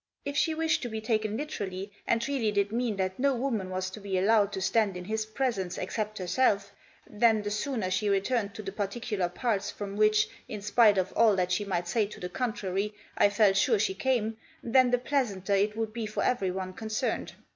If she wished to be taken literally, and really did mean that no woman was to be allowed to stand in his presence except herself, then the sooner she re turned to the particular parts from which, in spite of all that she might say to the contrary, I felt sure she came, then the pleasanter it would be for everyone concerned.